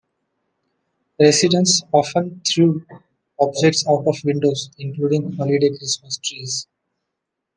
Residents often threw objects out of windows including holiday Christmas trees.